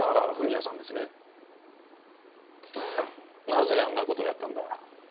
なぜあんなことやったんだ？